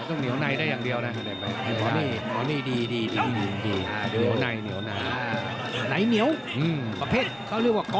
อือหึอันนี้ยังไม่มีตก